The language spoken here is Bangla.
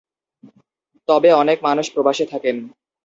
তবে অনেক মানুষ প্রবাসে থাকেন।